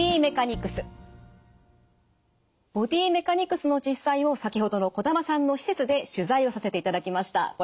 ボディメカニクスの実際を先ほどの児玉さんの施設で取材をさせていただきました。